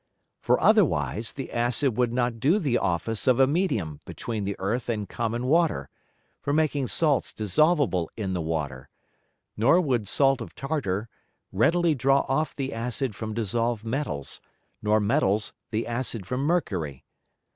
For otherwise the Acid would not do the Office of a Medium between the Earth and common Water, for making Salts dissolvable in the Water; nor would Salt of Tartar readily draw off the Acid from dissolved Metals, nor Metals the Acid from Mercury.